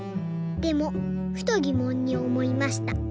でもふとぎもんにおもいました。